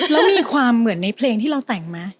แล้วมีความเหมือนในเพลงที่เราแต่งไหม